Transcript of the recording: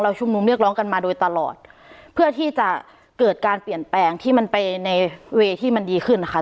ชุมนุมเรียกร้องกันมาโดยตลอดเพื่อที่จะเกิดการเปลี่ยนแปลงที่มันไปในเวย์ที่มันดีขึ้นนะคะ